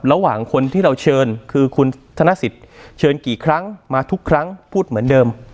ระหว่างคนที่เราเชิญคือคุณธนสิทธิ์เชิญกี่ครั้งมาทุกครั้งพูดเหมือนเดิม